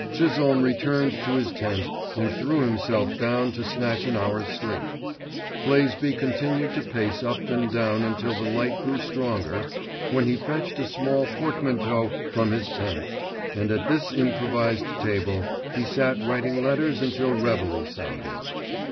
Chisholme returned to his tent and threw himself down to snatch an hour's sleep. Blaisby continued to pace up and down until the light grew stronger, when he fetched a small portmanteau from his tent, and at this improvised table he sat writing letters until reveille sounded.